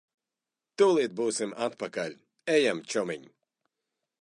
Tūlīt būsim atpakaļ. Ejam, čomiņ.